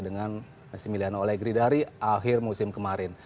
dengan messi miliano ole gridari akhir musim kemarin